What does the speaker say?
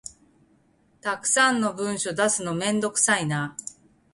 たくさんの文書出すのめんどくさいな